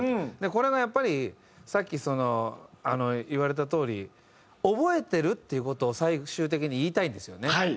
これがやっぱりさっきその言われたとおり「覚えてる」っていう事を最終的に言いたいんですよね。